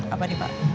apa nih pak